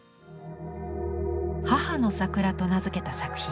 「母の桜」と名付けた作品。